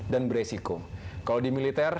dan beresiko kalau di militer